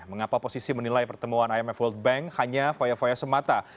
mengapa posisi menilai pertemuan imf world bank hanya foya foya semata